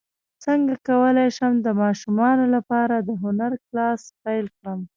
څنګه کولی شم د ماشومانو لپاره د هنر کلاس پیل کړم